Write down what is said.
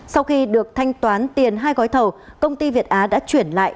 sau khi được thanh toán tiền hai gói thầu công ty việt á đã chuyển lại